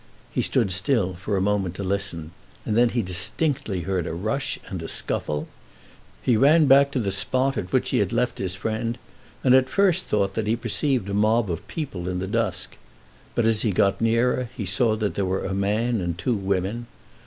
He stood still for a moment to listen, and then he distinctly heard a rush and a scuffle. He ran back to the spot at which he had left his friend, and at first thought that he perceived a mob of people in the dusk. But as he got nearer, he saw that there were a man and two women.